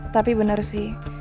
tapi bener sih